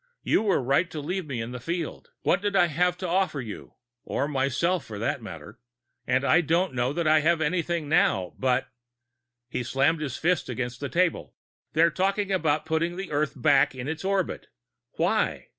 You were right to leave me in the field. What did I have to offer you? Or myself, for that matter? And I don't know that I have anything now, but " He slammed his fist against the table. "They talk about putting the Earth back in its orbit! Why?